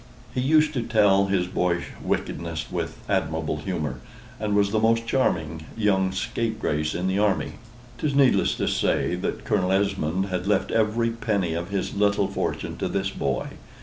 He used to tell his boyish wickednesses with admirable humor, and was the most charming young scapegrace in the army. 'Tis needless to say that Colonel Esmond had left every penny of his little fortune to this boy.